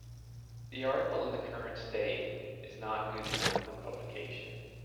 The article in the current state is not good enough for publication.